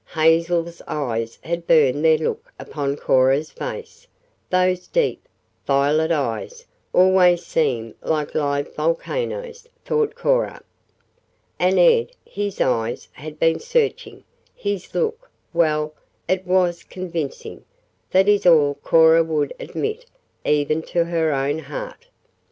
Hazel's eyes had burned their look upon Cora's face those deep, violet eyes always seem like live volcanoes, thought Cora. And Ed his eyes had been searching, his look well, it was convincing, that is all Cora would admit even to her own heart.